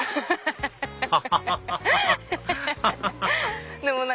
ハハハハ！